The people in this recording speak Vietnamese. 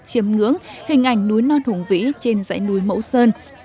chiêm ngưỡng hình ảnh núi non hùng vĩ trên dãy núi mẫu sơn